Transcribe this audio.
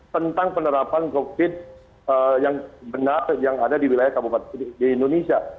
tentang penerapan covid yang ada di wilayah kabupaten bogor di indonesia